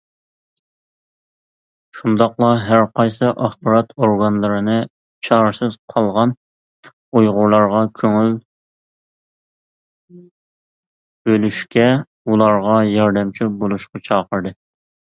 شۇنداقلا ھەرقايسى ئاخبارات ئورگانلىرىنى چارىسىز قالغان ئۇيغۇرلارغا كۆڭۈل بۆلۈشكە، ئۇلارغا ياردەمچى بولۇشقا چاقىردى.